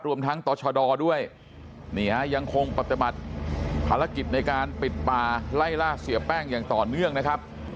รวมทั้งต่อชดด้วยนี่ฮะยังคงปฏิบัติภารกิจในการปิดป่าไล่ล่าเสียแป้งอย่างต่อเนื่องนะครับ